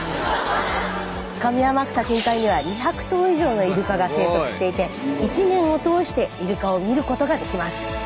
上天草近海には２００頭以上のイルカが生息していて１年を通してイルカを見ることができます。